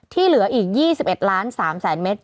ที่เหลืออีก๒๑๓๐๐๐๐๐เมตร